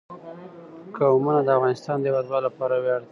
قومونه د افغانستان د هیوادوالو لپاره ویاړ دی.